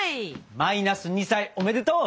マイナス２歳おめでとう！